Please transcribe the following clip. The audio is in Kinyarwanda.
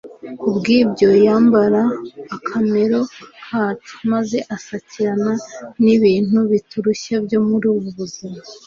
Kubw'ibyo, yambara akamero kacu, maze asakirana n'ibintu biturushya byo muri ubu buzima.